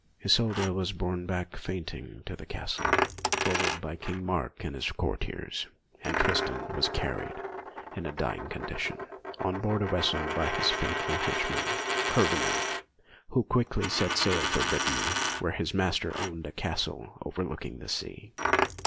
Isolda was borne back fainting to the castle, followed by King Mark and his courtiers; and Tristan was carried, in a dying condition, on board a vessel by his faithful henchman, Kurvenal, who quickly set sail for Brittany, where his master owned a castle overlooking the sea.